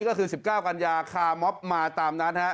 นี่ก็คือ๑๙กัญญาคาม๊อบมาตามนั้น